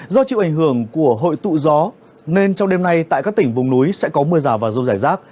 do chịu ảnh hưởng của hội tụ gió nên trong đêm nay tại các tỉnh vùng núi sẽ có mưa rào và rông rải rác